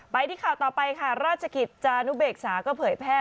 ที่ข่าวต่อไปค่ะราชกิจจานุเบกษาก็เผยแพร่